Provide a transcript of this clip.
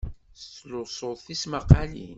Tettluseḍ tismaqalin?